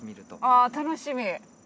あ楽しみ。